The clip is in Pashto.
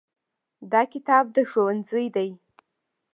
دا کتاب د ښوونځي دی.